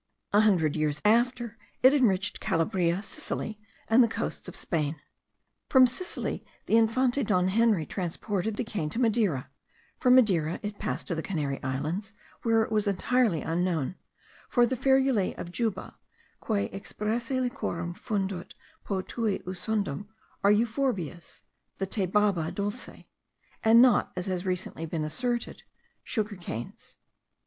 A hundred years after it enriched Calabria, Sicily, and the coasts of Spain. From Sicily the Infante Don Henry transported the cane to Madeira: from Madeira it passed to the Canary Islands, where it was entirely unknown; for the ferulae of Juba, quae expressae liquorem fundunt potui ucundum, are euphorbias (the Tabayba dulce), and not, as has been recently asserted,* sugar canes.